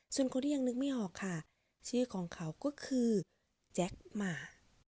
ส่วนคนที่ยังนึกไม่ออกค่ะชื่อของเขาก็คือแจ็คหมา